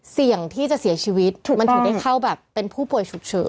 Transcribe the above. เสี่ยงที่จะเสียชีวิตมันถึงได้เข้าแบบเป็นผู้ป่วยฉุกเฉิน